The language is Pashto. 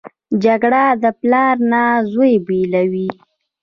جګړه د پلار نه زوی بېلوي